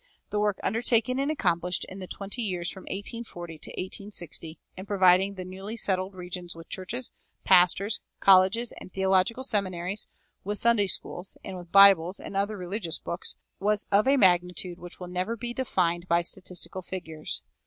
The work undertaken and accomplished in the twenty years from 1840 to 1860 in providing the newly settled regions with churches, pastors, colleges, and theological seminaries, with Sunday schools, and with Bibles and other religious books, was of a magnitude which will never be defined by statistical figures.